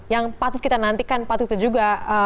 yang patut kita nantikan patut kita juga